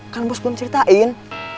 kan bos belum ceritain